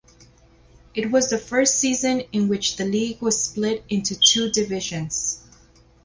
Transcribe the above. It was the first season in which the league was split into two divisions.